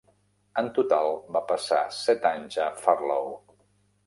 En total va passar set anys a Farlow.